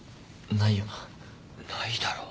ないだろ。